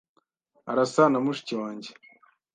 Arasa na mushiki wanjye.